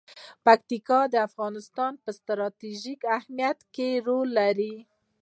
پکتیکا د افغانستان په ستراتیژیک اهمیت کې رول لري.